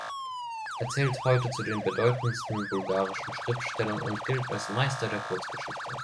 Er zählt heute zu den bedeutendsten bulgarischen Schriftstellern und gilt als Meister der Kurzgeschichte.